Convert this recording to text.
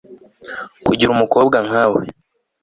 kugira umukobwa nkawe